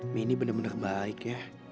mini bener bener baik ya